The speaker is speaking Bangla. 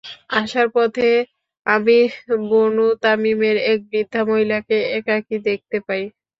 আসার পথে আমি বনু তামীমের এক বৃদ্ধা মহিলাকে একাকী দেখতে পাই।